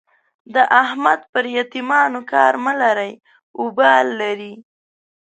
د احمد پر يتيمانو کار مه لره؛ اوبال لري.